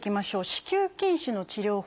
子宮筋腫の治療法。